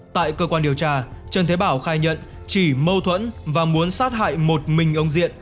tại cơ quan điều tra trần thế bảo khai nhận chỉ mâu thuẫn và muốn sát hại một mình ông diện